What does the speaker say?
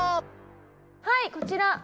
はいこちら。